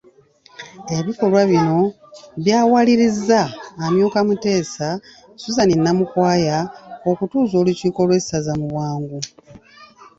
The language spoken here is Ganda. Ebikolwa bino, byawalirizza amyuka Muteesa, Suzan Namukwaya, okutuuza olukiiko lw'essaza mu bwangu